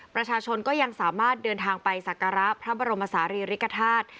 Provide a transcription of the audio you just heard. ประชาชนก็ยังสามารถเดินทางไปสักการะพระบรมศาลีริกฐาตุ